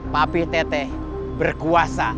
papi teteh berkuasa